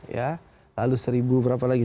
ya lalu seribu berapa lagi